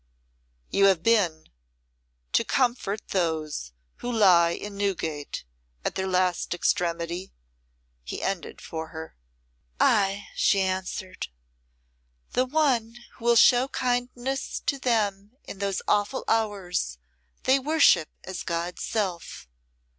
"You have been to comfort those who lie in Newgate at their last extremity?" he ended for her. "Ay," she answered. "The one who will show kindness to them in those awful hours they worship as God's self.